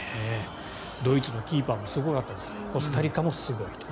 ドイツのキーパーもすごかったですがコスタリカもすごいと。